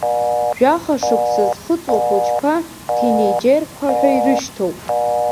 Жәахашықәса зхыҵуа ахәыҷқәа ҭинеиџьерқәа ҳәа ирышьҭоуп.